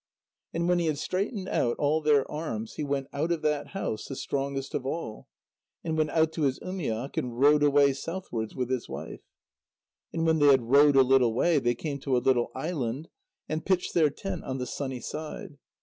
And when he had straightened out all their arms, he went out of that house the strongest of all, and went out to his umiak and rowed away southwards with his wife. And when they had rowed a little way, they came to a little island, and pitched their tent on the sunny side.